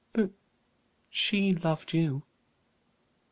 "But she loved you."